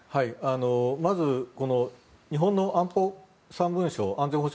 まずこの日本の安保３文書安全保障